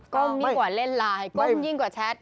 ยิ่งกว่าเล่นไลน์ก้มยิ่งกว่าแชท